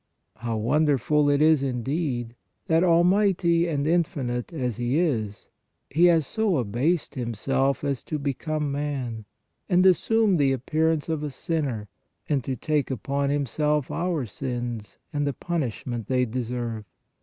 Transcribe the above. How wonderful it is, indeed, that, almighty and in finite as He is, He has so abased Himself as to become man, and assume the appearance of a sinner, and to take upon Himself our sins and the punish ment they deserve!